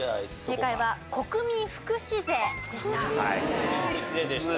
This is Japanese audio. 正解は国民福祉税でした。